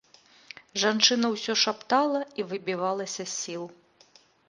Жанчына ўсё шаптала і выбівалася з сіл.